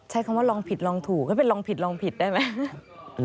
ใช้คำว่าลองผิดลองถูกก็เป็นลองผิดลองผิดได้ไหม